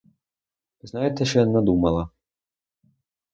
Знаєте, що я надумала?